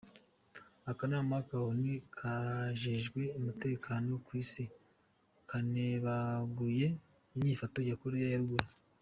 Akanama ka Onu kajejwe umutekano kw'isi kanebaguye inyifato ya Korea ya ruguru.